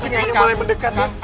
singa ini mulai mendekat